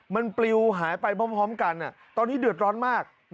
มันปลิวหายไปพร้อมกันตอนนี้เดือดร้อนมาก